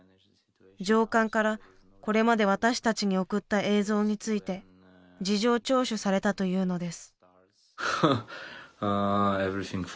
上官からこれまで私たちに送った映像について事情聴取されたというのです。